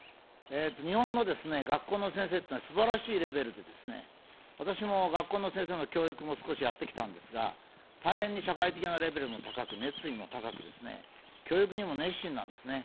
日本のですね、学校の先生というのは、すばらしいレベルでですね、私も学校の先生の教育も少しやってきたんですが、大変に社会的なレベルも高く、熱意も高くですね、教育にも熱心なんですね。